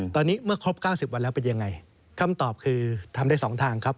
ตอนนี้เมื่อครบ๙๐วันแล้วเป็นยังไงคำตอบคือทำได้๒ทางครับ